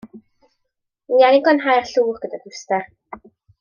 Wi angen glanhau'r llwch gyda dwster.